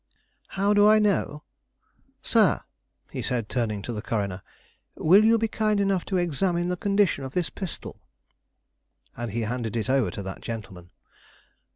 "How do I know? Sir," said he, turning to the coroner, "will you be kind enough to examine the condition of this pistol?" and he handed it over to that gentleman.